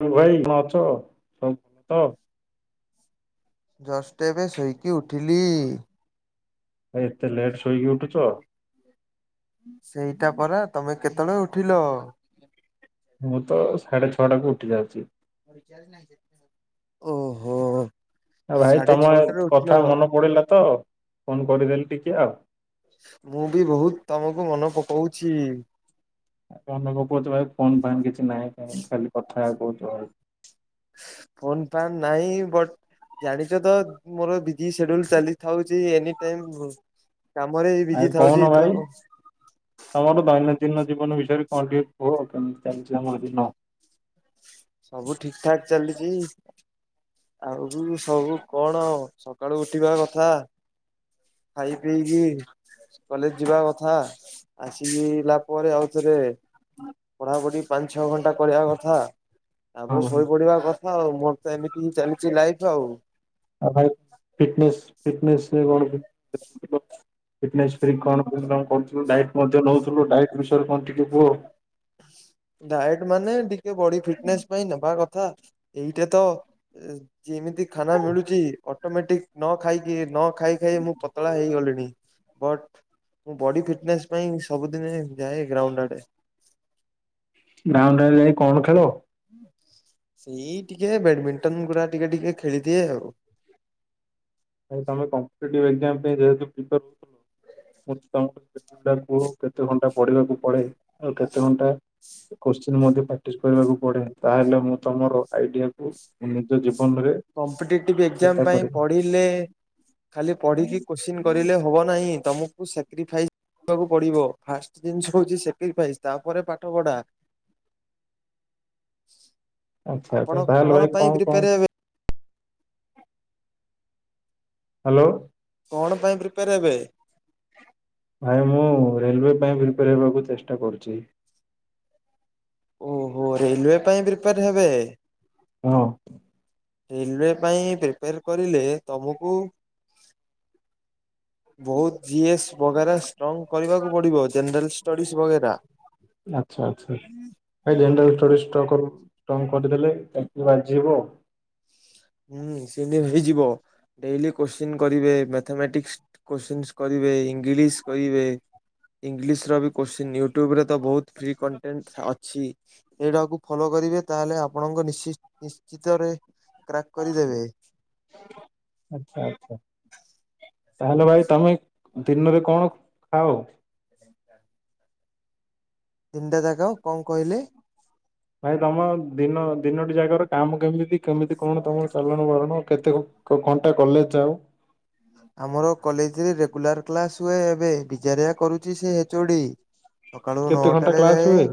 ହୋ ଭାଇ କଣ ଅଛ? [unintelligible] ତ ଜଷ୍ଟ ଏବେ ଶୋଇକି ଉଠିଲି। ଭାଇ ଏତେ ଲେଟ୍ ଶୋଇକି ଉଠୁଛ? ସେଇଟା ପରା। ତମେ କେତେବେଳେ ଉଠିଲ? ମୁଁ ତ ସାଢେ ଛଅଟାକୁ ଉଠି ଯାଉଛି। ଓ ହୋ। ଆଉ ଭାଇ ତମ କଥା ମନେ ପଡିଲା ତ ଫୋନ କରିଦେଲି ଟିକେ ଆଉ। ମୁଁ ବି ବହୁତ ତମକୁ ମନେ ପକଉଛି। ମନ ପକଉଚ ଭାଇ ଫୋନ୍ ଫାନ୍ କିଛି ନାହିଁ କାଇଁ ଖାଲି କଥା ହେ କହୁଛ ଆଉ। ଫୋନ ଫାନ୍ ନାହିଁ ବଟ ଜାଣିଛ ତ ମୋର ବି ଜି ସିଡ୍ୟୁଲ ଚାଲି ଥାଉଛି, ଏନି ଟାଇମ୍ ମୁଁ କାମରେ ହିଁ ବି ଆଉ ଜି କହୁନ ଥାଉଛି ତ। ଭାଇ ତମର ଦୈନନ୍ଦିନ ଜୀବନ ବିଷୟରେ କଣ ଟିକେ କୁହ? କେମିତି ଚାଲିଛି ତମର ଦିନ? ସବୁ ଠିକ ଠାକ ଚାଲିଛି। ଆଉ ବି ସବୁ କଣ ସକାଳୁ ଉଠିବା କଥା ଖାଇ ପିଇକି କଲେଜ ଯିବା କଥା। ଆସିକିଲା ପରେ ଆଉଥରେ ପଢାପଢି ପାଞ୍ଚ ଛଅ ଘଣ୍ଟା ପଢ଼ିଆ କଥା। ହଁ ତାପରେ ଭାଇ ଶୋଇପଡିବା କଥା ଆଉ, ମୋର ତ ଏମିତି ହିଁ ଚାଲିଛି ଲାଇଫ ଆଉ। ଆଉ ଫିଟନେସ୍ ଫିଟନେସ୍ କଣ କେମିତି ଫିଟନେସ ପରି କଣ କେମିତି କରୁଥିଲୁ? ଡାଏଟ ମଧ୍ୟ ନଉଥିଲୁ ଡାଏଟ ବିଷୟରେ କଣ ଟିକେ କୁହ? ଡାଏଟ ମାନେ ଟିକେ ବଡି ଫିଟନେସ ପାଇଁ ନେବା କଥା। ଏଇଟା ତ ଏ ଯେମିତି ଖାନା ମିଳୁଛି ଅ ଟୋମେଟିକ ନ ଖାଇକି ନ ଖାଇ ଖାଇ ମୁଁ ପତଳା ହେଇଗଲିଣି। ବଟ ମୁଁ ବଡି ଫିଟନେସ୍ ପାଇଁ ସବୁଦିନ ଯାଏ ଗ୍ରାଉଣ୍ଡ ଆଡେ। ଗ୍ରାଉଣ୍ଡ ଆଡେ ଯାଇ କଣ ଖେଳ? ସେଇ ଟିକେ ବେଡମିଣ୍ଟନ ଗୁରା ଟିକେ ଟିକେ ଖେଳିଦିଏ ଆଉ। ଭାଇ ତମେ କମ୍ପିଟେଟିଭ ଏକଜାମ ପାଇଁ [unintelligible] ପ୍ରି [unintelligible] କେତେ ଘଣ୍ଟା ପଢିବାକୁ ପଡେ? ଆଉ କେତେ ଘଣ୍ଟା କୋଶ୍ଚିନ୍ ମଧ୍ୟ ପ୍ରାକ୍ଟିସ କରିବାକୁ ପଡେ, ତାହେଲେ ମୁଁ ତମର ଆଇଡିଆକୁ ନିଜ ଜୀବନରେ କମ୍ପିଟେଟିଭ ଚେଷ୍ଟା ଏକ୍ଜାମ ପାଇଁ କରିବି। ପଢିଲେ ଖାଲି ପଢିକି କୋଶ୍ଚିନ୍ କରିଲେ ହବ ନାହିଁ, ତମକୁ ସାକ୍ରିଫାଇସ୍ କରିବାକୁ ପଡିବ ଫାଷ୍ଟ ଜିନିଷ ହଉଛି ସାକ୍ରିଫାଇଜ୍ ତାପରେ ପାଠ ପଢା। ଆଚ୍ଛା ଆଚ୍ଛା ଆପଣ ତାହେଲେ ଭାଇ କଣ ପାଇଁ କଣ ପ୍ରିପେୟାର ହେବେ? ହ୍ୟାଲୋ। କଣ ପାଇଁ ପ୍ରିପେୟାର ହେବେ? ଭାଇ ମୁଁ ରେଲୱେ ପାଇଁ ପ୍ରିପେୟାର ହେବାକୁ ଚେଷ୍ଟା କରୁଛି। ଓହୋ ରେଲୱେ ପାଇଁ ପ୍ରିପେୟାର ହେବେ। ଉଁ ଅଁ। ରେଲୱେ ପାଇଁ ପ୍ରିପେୟାର କରିଲେ ତମକୁ ବହୁତ ଜିଏସ ବଗେରା ଷ୍ଟ୍ରଙ୍ଗ କରିବାକୁ ପଡିବ ଜେନେରାଲ ଷ୍ଟଡିସ ବଗେରା। ଆଚ୍ଛା ଆଚ୍ଛା ଭାଇ ଜେନେରାଲ୍ ଷ୍ଟଡିସ ଷ୍ଟ୍ରଙ୍ଗ କରିଦେଲେ ବାଜିିଯିବ। ହୁଁ ସେଠି ହେଇଯିବ ଡେଲି କୋଶ୍ଚିନ କରିବେ ମେଥମେଟିକ୍ସ। କୋଶ୍ଚିନସ କରିବେ ଇଂଲିଶ କରିବେ ଇଂଲିଶରବି କୋଶ୍ଚିନ ୟୁଟ୍ୟୁବରେତ ବହୁତ ଫ୍ରି କଣ୍ଟେନ ଅଛି। ଅଛି ଏଇଟାକୁ ଫଲୋ କରିବେ ତାହେଲେ ଆପଣଙ୍କ ନି ନିଶ୍ଚିତରେ କ୍ରାକ କରିଦେବେ। ଆଚ୍ଛା ଆଚ୍ଛା ତାହେଲେ ଭାଇ ତମେ ଦିନରେ କଣ ଖାଅ? ତିିନିଟା ଜାକ କଣ କହିଲେ? ଭାଇ ତମ ଦିନ ଦିନୋଟି ଜାକର କାମ କେମିତି କେମିତି କଣ ତମ ଚାଲଣ ବରଣ। କେତେ ଘ ଘଣ୍ଟା କଲେଜ ଯାଅ? ଆମର କଲେଜରେ ରେଗୁଲାର କ୍ଲାସହୁଏ ଏବେ ବିଜାରିଆ କରୁଛି ସେ ଏଚଓଡି। ସକାଳୁ କେତେ ଘଣ୍ଟା ନଅଟାରେ କ୍ଲାସ ଯାଏ। ହୁଏ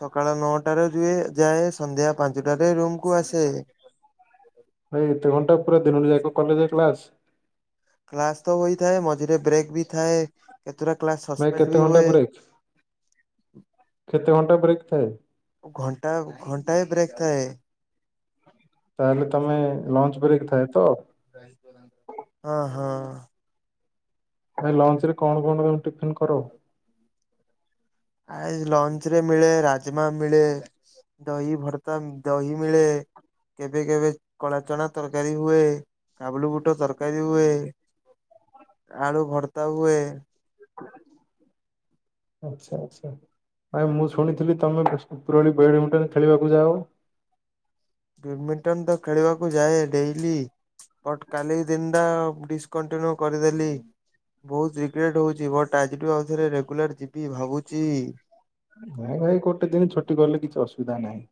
ସକାଳ ନଅଟାରେ ଯିଏ ଯାଏ ସନ୍ଧ୍ୟା ପାଞ୍ଚଟାରେ ରୁମକୁୁ ଆସେ। ଭାଇ ଏତେ ଘଣ୍ଟା ପୁରା ଦିନଟି ଯାକ କଲେଜରେ କ୍ଲାସ? କ୍ଲାସତ ହୋଇଥାଏ ମଝିରେ ବ୍ରେକବି ଥାଏ କେତେଟା କ୍ଲାସ ଭାଇ କେତେ ସସ୍ପେଣ୍ଡବି ଘଣ୍ଟା ହୁଏ? ବ୍ରେକ୍ କେତେ ଘଣ୍ଟା ବ୍ରେକଥାଏ? ଘଣ୍ଟା ଘଣ୍ଟାଏ ବ୍ରେକଥାଏ। ତାହେଲେ ତମେ ଲଞ୍ଚ ବ୍ରେକଥାଏତ। ହଁ ହଁ ଭାଇ ଲଞ୍ଚରେ କଣ କଣ ତମେ ଟିଫନକର? ଭାଇ ଲଞ୍ଚରେ ମିଳେ ରାଜମା ମିଳେ। ଦହି ଭର୍ତା ଦହିମିଳେ। କେବେ କେବେ କଳା ଚଣା ତରକାରୀ ହୁଏ। କାବୁଲ ବୁଟ ତରକାରୀ ହୁଏ ଆଳୁ ଭର୍ତାହୁଏ। [inaudible] ଆଚ୍ଛା ଆଚ୍ଛା। ଭାଇ ମୁଁ ଶୁଣିଥିଲି ତମେ ଉପରଓଳି ବେଡମିଣ୍ଟନ ଖେଳିବାକୁ ଯାଅ। ବ୍ୟାଡମିଣ୍ଟନତ ଖେଳିବାକୁ ଯାଏ ଡେଲି। ବଟ କାଲିହିଁ ଦିନଟା ଡିସକଣ୍ଟିନ୍ୟୁ କରିଦେଲି। ବହୁତ ରିଗ୍ରେଡ ହେଉଛି ବଟ ଆଜିଠୁ ଆଉଥରେ ରେଗୁଲାର ଯିବି ଭାବୁଚି। ନାଇଁ ଭାଇ ଗୋଟେଦିନ ଛୁଟି କଲେ କିଛି ଅସୁବିଧା ନାହିଁ।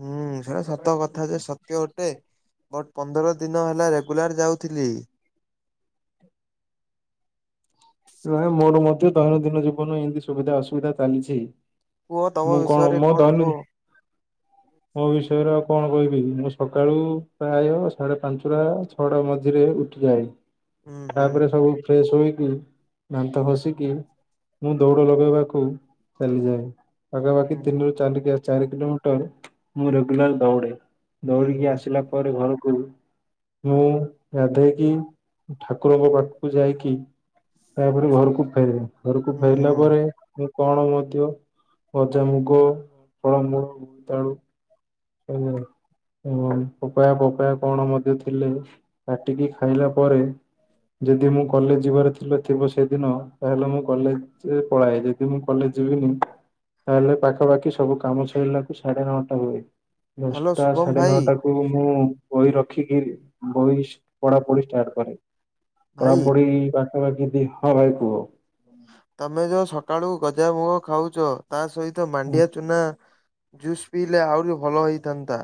ହୁଁ ସେଡା ସତକଥାଯେ ସତ୍ୟ ଅଟେ। ବଟ ପନ୍ଦରଦିନ ହେଲା ରେଗୁଲାର ଯାଉଥିଲି। ନାଇଁ ମୋର ମଧ୍ୟ ଦୈନନ୍ଦିନ ଜୀବନ ଏମିତି ସୁବିଧା ଅସୁବିଧା ଚାଲିଛି। କୁହ ତମ ମୁଁ ବିଷୟରେ ମୋ କଣ ଦୈନ କୁହ? ମୋ ବିଷୟରେ ଆଉ କଣ କହିବି ମୁଁ ସକାଳୁ ପ୍ରାୟ ସାଢେ ପାଞ୍ଚଟା? ଛଟା ମଝିରେ ଉଠିଯାଏ ହୁଁ ହୁଁ ତାପରେ ସବୁ ଫ୍ରେଶ ହୋଇକି। ଦାନ୍ତ ଘସିକି ମୁଁ ଦୌଡ ଲଗେଇବାକୁ ଚାଲିଯାଏ ହୁଁ ପାଖାପାଖି ତିନିରୁ ଚାଲିକିଆ ଚାରି କିଲୋମିଟର ମୁଁ ରେଗୁଲାର ଦୌଡେ। ହୁଁ ଦୌଡିକି ହୁଁ ଆସିଲା ପରେ ଘରକୁ। ମୁଁ ଗାଧେଇକି ଠାକୁରଙ୍କ ପାଖକୁ ଯାଇକି ତାପରେ ଘରକୁ ଫେରେ, ଘରକୁ ଫେରିଲା ହୁଁ ପରେ ମୁଁ କଣ ମଧ୍ୟ ଭଜା ମୁଗ ଫଳମୂଳ ବୋଇତାଳୁ ଖାଏ ଆଉ ହଁ ପପାୟା ପପାୟା କଣ ମଧ୍ୟ ଥିଲେ କାଟିକି ଖାଇଲା ପରେ ଯଦି ମୁଁ କଲେଜ ଯିବାର ଥିଲେ ଥିବ ସେଦିନ ତାହେଲେ ମୁଁ କଲେଜ ପଳାଏ। ଯଦି ଯଦି ମୁଁ କଲେଜ ଯିବିନି ତାହେଲେ ପାଖାପାଖି ସବୁ କାମ ସରିଲାକୁ ସାଢେ ନଅଟା ହୁଏ। ହ୍ୟାଲୋ ଦଶଟା ଶୁଭମ ସାଢ଼େ ଭାଇ ନଅଟା ମୁଁ ବହି ରଖିକି ବହି ପଢା ପଢି ଷ୍ଟାର୍ଟ କରେ। ଭାଇ ପଢାପଢି ପାଖାପାଖି ଦି ହଁ ଭାଇ କୁହ। ତମେ ଯୋଉ ସକାଳୁ ଗଜା ମୁଗ ଖାଉଛ ତା ସହିତ ମାଣ୍ଡିଆ ଚୂନା ଜୁସ୍ ପିଇଲେ ଆହୁରି ଭଲ ହେଇଥାନ୍ତା।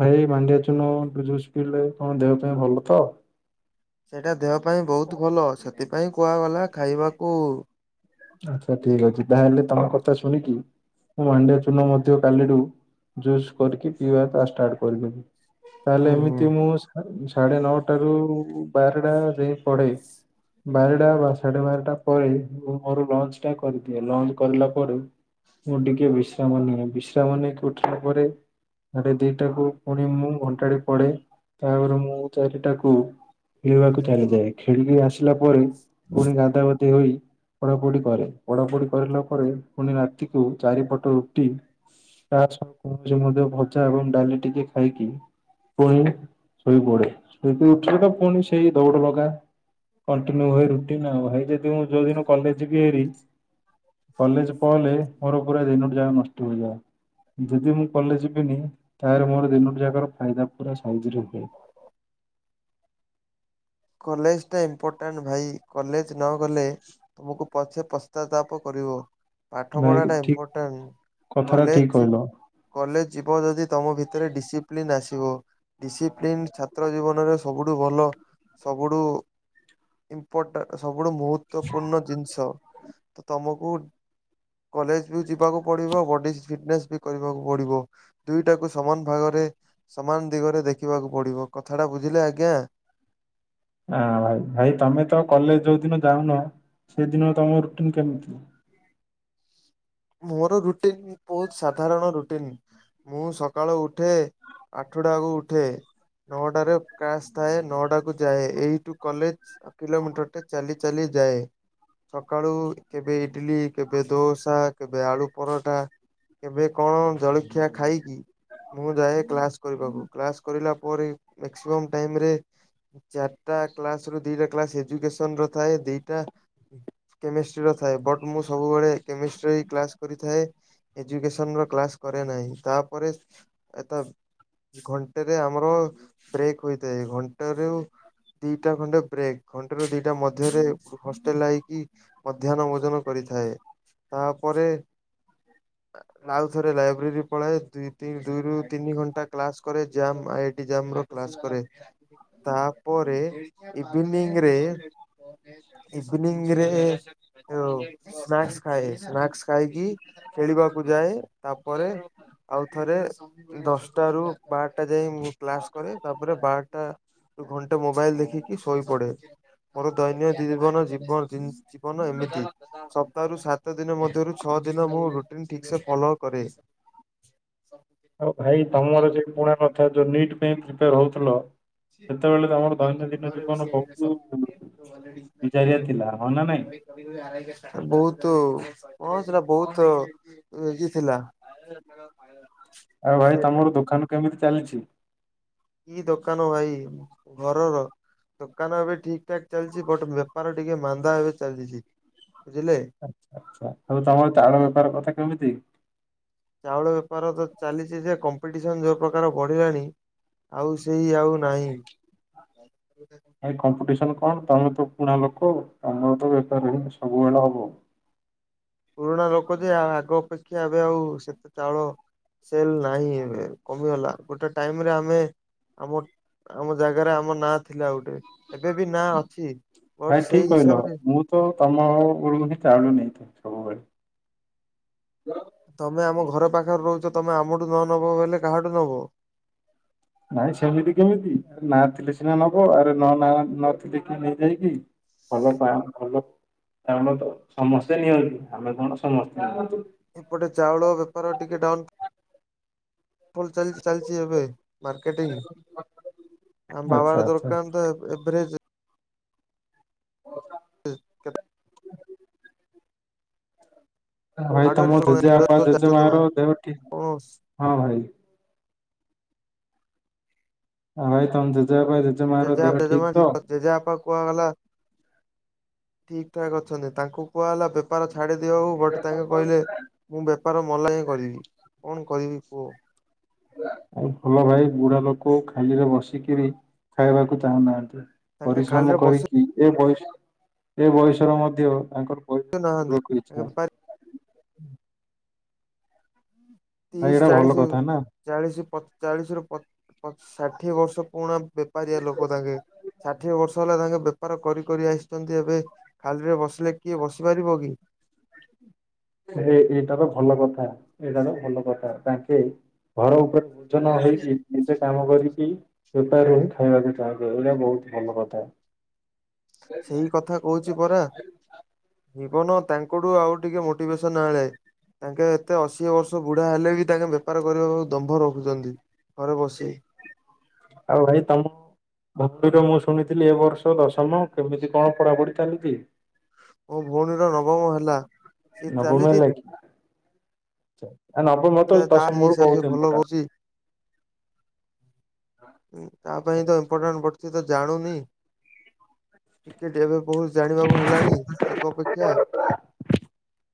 ଭାଇ ଏ ମାଣ୍ଡିଆ ଚୁନା ଜୁସ୍ ପିଇଲେ କଣ ଦେହ ପାଇଁ ଭଲ ତ? ସେଇଟା ଦେହ ପାଇଁ ବହୁତ ଭଲ ସେଥିପାଇଁ କୁହାଗଲା ଖାଇବାକୁ। ଆଚ୍ଛା ଠିକ ଅଛି ତାହେଲେ ତମ କଥା ଶୁଣିକି ମୁଁ ମାଣ୍ଡିଆ ଚୁନା ମଧ୍ୟ କାଲିଠୁ ଜୁସ୍ କରିକି ପିଇବା ଟା ଷ୍ଟାର୍ଟ କରିିଦେବି। ତାହେଲେ ହୁଁ ହୁଁ ଏମିତି ମୁଁ ସାଢ଼େ ସାଢେନଅଟାରୁୁ ବାରଟା ଯାଏ ପଢେ। ବାରଟା ବା ସାଢ଼େ ବାରଟା ପରେ ମୁଁ ମୋର ଲଞ୍ଚ ଟା କରିଦିଏ, ଲଞ୍ଚ କରିଲା ପରେ ମୁଁ ଟିକେ ବିଶ୍ରାମ ନିଏ। ବିଶ୍ରାମ ନେଇକି ଉଠିଲା ପରେ ସାଢେ ଦିଟାକୁ ପୁଣି ମୁଁ ଘଣ୍ଟାଟେ ପଢ଼େ ତାପରେ ମୁଁ ଚାରିଟାକୁ ଖେଳିବାକୁ ଚାଲିଯାଏ। ଖେଳିଦେଇ ଆସିଲା ପରେ ପୁଣି ଗାଧା ପାଧି ହୋଇ ପଢାପଢି କରେ। ପଢାପଢି କରିଲା ପରେ ପୁଣି ରାତିକୁ ଚାରିପଟ ରୁଟି ତା ସହ କୌଣସି ମଧ୍ୟ ଭଜା ଏବଂ ଡାଲି ଟିକେ ଖାଇକି ପୁଣି ଶୋଇପଡେ ଶୋଇକି ଉଠିଲେ ତ ପୁଣି ସେଇ ଦୌଡ଼ ଲଗା କଣ୍ଟିନ୍ୟୁ ହୁଏ ରୁଟିନ ଆଉ ହେଇ ଯଦି ମୁ ଯୋଉଁଦିନ କଲେଜ ଯିବି ହେରି କଲେଜ ପଳେଇ ଲେ ମୋର ପୁରା ଦିନଟି ଯାହା ନଷ୍ଟ ହେଇଯାଏ। ଯଦି ମୁଁ କଲେଜ ଯିବିନି ତାହେଲେ ମୋର ଦିନଟି ଯାକର ଫାଇଦା ପୁରା ସାହଜରେ ହୁଏ। କଲେଜଟା ଇମ୍ପୋର୍ଟାଣ୍ଟ୍ ଭାଇ କଲେଜ ନ ଗଲେ ତୁମକୁ ପଛେ ପଶ୍ଚାତାପ କରିବ। ପାଠପଢା ଭାଇ ଟା ଠିକ ଇମ୍ପୋର୍ଟାଣ୍ଟ କଥାଟା ଠିକ କଲେଜ କହିଲ କଲେଜ ଯିବ ଯଦି। ତମ ଭିତରେ ଡିସିପ୍ଲିନ ଆସିବ ଡିସିପ୍ଲିନ ଛାତ୍ର ଜୀବନରେ ସବୁଠୁ ଭଲ। ସବୁଠୁ ଇମ୍ପପୋଟାଣ୍ଟ ସବୁଠୁ ମହତ୍ବପୂର୍ଣ୍ଣ ଜିନିଷ। ତ ତମକୁ କଲେଜ ବି ଯିବାକୁ ପଡିବ ବଡିସ ଫିଟନେସ୍ ବି କରିବାକୁ ପଡିବ। ଦୁଇଟାକୁ ସମାନ ଭାଗରେ ସମାନ ଦିଗରେ ଦେଖିବାକୁ ପଡିବ କଥାଟା ବୁଝିଲେ ଆଜ୍ଞା। ହାଁ ଭାଇ ତମେ ତ କଲେଜ ଯୋଉ ଦିନ ଯାଉନ ସେଦିନ ତମ ରୁଟିନ କେମିତି? ମୋର ରୁଟିନ ବହୁତ ସାଧାରଣ ରୁଟିନ ମୁଁ ସକାଳୁ ଉଠେ ଆଠଟାକୁ ଉଠେ। ନଅଟାରେ କ୍ଲାସ ଥାଏ ନଅଟା କୁ ଯାଏ ଏଇଠୁ କଲେଜ ହାଫ କିଲୋମିଟରଟେ ଚାଲି ଚାଲି ଯାଏ। ସକାଳୁ କେବେ ଇଡଲି କେବେ ଦୋଓସା କେବେ ଆଳୁ ପରଟା କେବେ କଣ ଜଳଖିଆ ଖାଇକି ମୁଁ ଯାଏ କ୍ଲାସ୍ କରିବାକୁ କ୍ଲାସ କରିଲା ପରେ ମେକ୍ସିମମ୍ ଟାଇମରେ ଚାରିଟା କ୍ଲାସ ରୁ ଦିଟା କ୍ଲାସ ଏଜୁକେସନ ର ଥାଏ ଦିଟା କେମିଷ୍ଟ୍ରିର ଥାଏ ବଟ୍ ମୁଁ ସବୁବେଳେ କେମିଷ୍ଟ୍ରି କ୍ଲାସ କରିଥାଏ, ଏଜୁକସନ ର କ୍ଲାସ କରେ ନାହିଁ ତାପରେ ଏ ଘଣ୍ଟାରେ ଆମର ବ୍ରେକ୍ ହୋଇଥାଏ ଘଣ୍ଟା ର ଦିଟା ଖଣ୍ଡେ ବ୍ରେକ୍ ଘଣ୍ଟେ ରୁ ଦିଟା ମଧ୍ୟରେ ହଷ୍ଟେଲ ଆଇକି ମଧ୍ୟାହ୍ନ ଭୋଜନ କରିଥାଏ ତା ପରେ ଆଉ ଥରେ ଲାଇବ୍ରେରୀ ପଳାଏ ଦୁଇ ତି ଦୁଇରୁ ତିନି ଘଣ୍ଟା କ୍ଲାସ କରେ ଯମ୍ ଆ ଜାମ୍ ର କ୍ଲାସ କରେ ତାପରେ ଇଭିନିଂ ରେ ଇଭିନିଂ ରେ ସ୍ନାକ୍ସ ଖାଏ। ସ୍ନାକ୍ସ ଖାଇକି ଖେଳିବାକୁ ଯାଏ ତାପରେ ଆଉଥରେ ଦଶଟା ରୁ ବାରଟା ଯାଇ ମୁଁ କ୍ଲାସ କରେ ତାପରେ ବାରଟା ଘଣ୍ଟେ ମୋବାଇଲ ଦେଖିକି ଶୋଇ ପଡେ। ମୋର ଦୈନ ଦି ଜୀବନ ଜୀବନ ଏମିତି ସ୍ ସାତଦିନ ମଧ୍ୟରୁ ଛଅଦିନ ମୁଁ ରୁଟିନ୍ ଠିକ୍ସେ ଫଲୋ କରେ। ଆଉ ଭାଇ ତମର ଯ ପୁଣା ନଥା ଯୋଉ ନିଟ୍ ପାଇଁ ପ୍ରିପେର ହଉଥିଲ। ସେତେବେଳେ ତ ଆମର ଦୈନନ୍ଦିନ ଜୀବନ ବହୁତ ବିଜାରିଆ ଥିଲା ହ ନା ନାଇଁ ବହୁତ [unintelligible] କନ୍ ସେଡ଼ା ବହୁତ [unintelligible] ଥିଲା। [unintelligible] ଆଉ ଭାଇ ସେଇଟା ତମର ଦୋକାନ କେମିତି ଚାଲିଛି? କି ଦୋକାନ ଭାଇ ଘରର ଦୋକାନ ଏବେ ଠିକ ଠାକ ଚାଲିଛି ବଟ ବେପାର ଟିକେ ମାନ୍ଦା ଏବେ ଚାଲିଛି। ବୁଝିଲେ? ଆଛା ଆଚ୍ଛା ଆଉ ତମର ଚାଉଳ ବେପାର କଥା କେମିତି? ଚାଉଳ ବେପାର ତ ଚାଲିଛି ଯେ କମ୍ପିଟିସନ୍ ଯେଉଁ ପ୍ରକାର ବଢ଼ିଲାଣି ଆଉ ସେଇ ଆଉ ନାହିଁ ଭାଇ କମ୍ପିଟିସନ କଣ ତମେ ତ ପୁଣା ଲୋକ ତମର ତ ବେପାର ହ ସବୁବେଳେ ହବ ପୁରୁଣା ଲୋକ ଯେ ଆଗ ଅପେକ୍ଷା ଏବେ ଆଉ ସେତେ ଚାଉଳ ସେଲ ନାହିଁ ଏବେ କମିଗଲା ଗୋଟେ ଟାଇମରେ ଆମେ ଆମ ଆମ ଜାଗାରେ ଆମ ନାଁ ଥିଲା ଗୋଟେ ଏବେ ବି ନାଁ ଅଛି ଭାଇ ବଟ ଠିକ ସେଇ କହିଲ ହିସାବରେ ମୁଁ ତ ତମ [unintelligible] ଏତେ ସବୁରେ ତମେ ଆମ ଘର ପାଖରେ ରହୁଛ ତମେ ଆମଠୁ ନ ନବ ବଲେ କାହାଠୁ ନବ? ନାଇଁ ସେମିତି କେମିତି, ନାଁ ଥିଲେ ସିନା ନବ ଆରେ ନ ନଥିଲେ କି ନେଇଯାଇକି ଭଲ ପା ଭଲ କାରଣ ତ ସମସ୍ତେ ନିଅନ୍ତି ଆମେ କଣ ସମସ୍ତେ ଆ ଏପଟେ ଚାଉଳ ବେପାର ଟିକେ ଡାଉନ [unintelligible] ଲ ଚାଲି ଚାଲିଛି ଏବେ ମାର୍କେଟିଂ ଆମ ଆଚ୍ଛା ବାବାର ଆଚ୍ଛା। ଦରକାରାନ ତ ଏଭରେଜ [inaudible] [unintelligible] ଭାଇ ହାର୍ଡୱେର ତମ ଜେଜେ ଆପ ଜାଣିଛ ଜେଜେ ତମେ ମାର ଦେହଠିକ କଣ ହଁ ଭାଇ ଆଉ ଭାଇ ତମେ ଜେଜେ ଭାଇ ଜେଜେ ମ ଦେହ ଠିକ ତ? ଜେଜେପା କୁହାଗଲା ଠିକ ଠାକ୍ ଅଛନ୍ତି ତାଙ୍କୁ କୁହାଗଲା ବେପାର ଛାଡ଼ିଦିଅଉ ବଟ୍ ତାଙ୍କେ କହିଲେ ମୁଁ ବେପାର ମଲା ହିଁ କରିବି କଣ କରିବି କୁହ? ଆଉ ଭଲ ଭାଇ ବୁଢା ଲୋକ ଖାଲିରେ ବସିକିରି ଖାଇବାକୁ ଚାହୁଁନାହାନ୍ତି। ତାଙ୍କେ ପରିଶ୍ରମ ଖାଲିରେ ବସି କରିକି ଏ ବୟସ ଏ ବୟସର ମଧ୍ୟ ତାଙ୍କର ପରିଶ୍ରମ କରିବାକୁ ଇଚ୍ଛା [unintelligible] ଭାଇ ତିଶ ଏଇଟା ଭଲ ଚାଳିଶ କଥା ନା। ଚାଳିଶ ଚାଳିଶ ର ଷାଠିଏ ବର୍ଷ ପୁରୁଣା ବେପାରିଆ ଲୋକ ତାଙ୍କେ ଷାଠିଏ ବର୍ଷ ହେଲା ତାଙ୍କ ବେପାର କରି କରି ଆସିଛନ୍ତି ଏବେ। ଖାଲିରେ ବସିଲେ କିଏ ବସି ପାରିବ କି? ଭାଇ ଏଇଟାର ଭଲ କଥା ଏଇଟାର ଭଲ କଥା ତାଙ୍କେ ଘର ଉପରେ ଝ ନହେଇକି ନିଜେ କାମ କରିକି ବେପାରରୁ ହିଁ ଖାଇବାକୁ ଚାହିଁବେ ଏଇଟା ବହୁତ ଭଲ କଥା। ସେଇ କଥା କହୁଛି ପରା। ଜୀବନ ତାଙ୍କଠୁ ଆଉ ଟିକେ ମୋଟିଭେସନ ଆଣେ। ତାଙ୍କେ ଏତେ ଅଶୀ ବର୍ଷ ବୁଢା ହେଲେ ବି ତାଙ୍କେ ବେପାର କରିବାକୁ ଦମ୍ଭ ରଖୁଛନ୍ତି। ଘରେ ବସି। ଆଉ ଭାଇ ତମ ଭକ୍ତିର ମୁଁ ଶୁଣିଥିଲି ଏ ବର୍ଷ ଦଶମ କେମିତି କଣ ପଢାପଢି ଚାଲିଛି? ମୋ ଭଉଣୀର ନବମ ହେଲା। ସେ ନବମ ଚାଲିଛି ହେଲା କିି? ଆଚ୍ଛା ଆ ନବମ ହଉ ତାହେଲେ ତା ଦଶମ ହିସାବ ସେ ବହୁତ ଭଲ ଇମ୍ପୋଟାଣ୍ଟ। କରୁଛି ହୁଁ। ତା ପାଇଁ ତ ଇମ୍ପୋର୍ଟାଣ୍ଟ ପଡିଛି ତ ଜାଣୁନି। ଟିକେ ଏବେ ବହୁତ ଜାଣିବାକୁ ହେଲାଣି ଆଗ ଅପେକ୍ଷା।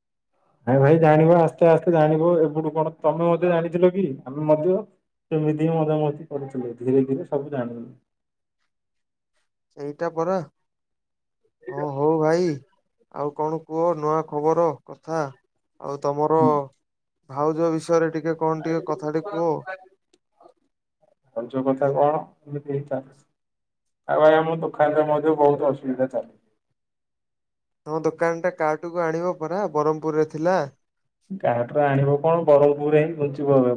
[inaudible] ଆଉ ଭାଇ ଜାଣିବ ଆସ୍ତେ ଆସ୍ତେ ଜାଣିବ ଆଉ ଏବେଠୁ କଣ ତମେ ମଧ୍ୟ ଜାଣିଥିଲ କି ଆମେ ମଧ୍ୟ କେମିତି ମଜା ମସ୍ତି କରୁଥିଲେ ଧୀରେ ଧୀରେ ସବୁ ଜାଣିଲେ। ସେଇଟା ପରା। ହଁ ହଉ ଭାଇ ଆଉ କଣ କୁହ ନୂଆ ଖବର କଥା। ଆଉ ତମର ଭାଉଜ ବିଷୟରେ ଟିକେ କଣ ଟିକେ କଥାଟେ କୁହ। ଭାଉଜ କଥା କଣ? ଏମିତି ହିଁ ଚାଲିଛି। ଆଉ ଭାଇ ଆମ ଦୋକାନ ରେ ମଧ୍ୟ ବହୁତ ଅସୁବିଧା ଚାଲିଛି। ତମ ଦୋକାନ ଟା କାର୍ଟକୁୁ ଆଣିବ ପରା ବ୍ରହ୍ମପୁର ରେ ଥିଲା। କାର୍ଟରୁ ଆଣିବ କଣ ବରହମ୍ପୁରରେ ବୁଞ୍ଚିବୁ ଆମେ।